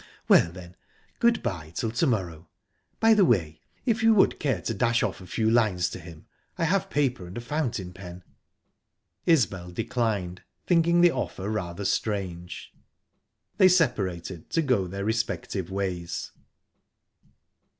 Well, then, good bye till to morrow. By the way, if you would care to dash off a few lines to him, I have paper and a fountain pen." Isbel declined, thinking the offer rather strange. They separated, to go their respective ways.